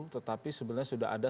tetapi sebenarnya sudah ada